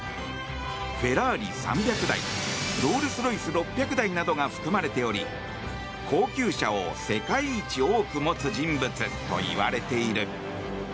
フェラーリ３００台ロールスロイス６００台などが含まれており高級車を世界一多く持つ人物といわれている。